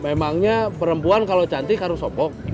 memangnya perempuan kalau cantik harus sopok